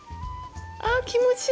あっ気持ちいい！